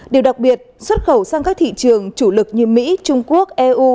điều đặc biệt xuất khẩu sang các thị trường chủ lực như mỹ trung quốc eu